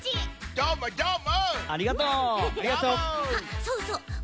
どーもどーも！